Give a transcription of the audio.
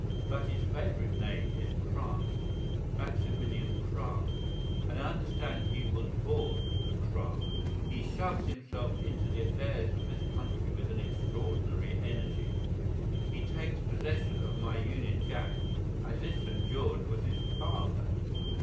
But his favourite name is Craft, Maximilian Craft—and I understand he was born a Kraft. He shoves himself into the affairs of this country with an extraordinary energy; he takes possession of my Union Jack as if St. George was his father.